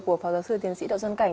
của phó giáo sư tiến sĩ đậu xuân cảnh